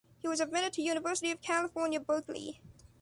He was admitted to University of California, Berkeley.